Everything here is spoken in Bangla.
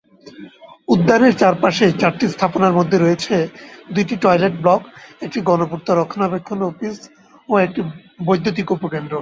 উদ্যানের চারপাশে চারটি স্থাপনার মধ্যে রয়েছে, দুইটি টয়লেট ব্লক, একটি গণপূর্ত রক্ষণাবেক্ষণ অফিস ও একটি বৈদ্যুতিক উপকেন্দ্র।